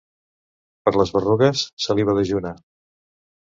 Per les berrugues, saliva dejuna.